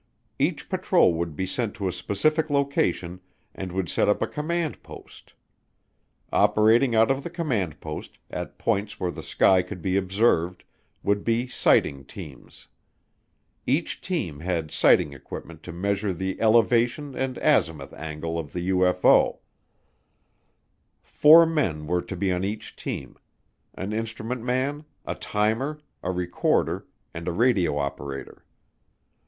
Each patrol would be sent to a specific location and would set up a command post. Operating out of the command post, at points where the sky could be observed, would be sighting teams. Each team had sighting equipment to measure the elevation and azimuth angle of the UFO. Four men were to be on each team, an instrument man, a timer, a recorder, and a radio operator.